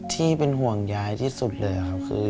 ที่เป็นห่วงยายที่สุดเลยครับคือ